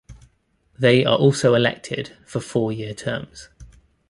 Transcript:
They are also elected for four-year terms.